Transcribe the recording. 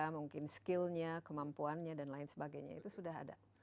mungkin skillnya kemampuannya dan lain sebagainya itu sudah ada